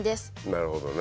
なるほどね。